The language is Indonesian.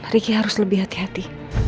riki harus lebih hati hati